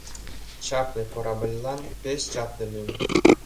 Чапле корабльлан пеш чапле лӱм!